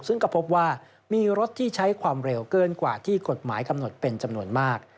ซึ่งก็พบว่ามีรถที่ใช้ความเร็วเกินกว่าที่กฎหมายกำหนดเป็นจำนวนมาก